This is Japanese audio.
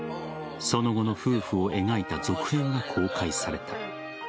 その後の夫婦を描いた続編が公開された。